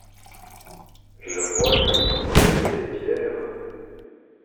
Je vois que vous connaissez les pierres.